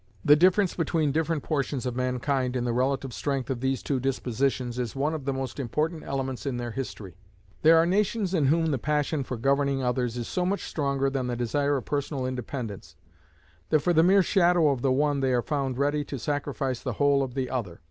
The difference between different portions of mankind in the relative strength of these two dispositions is one of the most important elements in their history. There are nations in whom the passion for governing others is so much stronger than the desire of personal independence, that for the mere shadow of the one they are found ready to sacrifice the whole of the other.